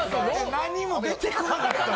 何も出てこなかったんです。